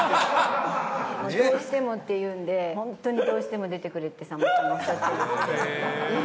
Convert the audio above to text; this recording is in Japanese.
どうしてもって言うんで、本当にどうしても出てくれってさんまさんがおっしゃってるってい